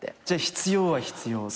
じゃ必要は必要？